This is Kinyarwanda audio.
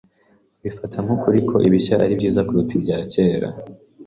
Babifata nk'ukuri ko ibishya ari byiza kuruta ibya kera.